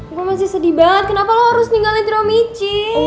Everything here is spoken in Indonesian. gue masih sedih banget kenapa lo harus ninggalin romichi